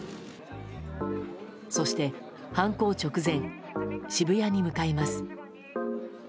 そして、犯行直前渋谷に向かいます。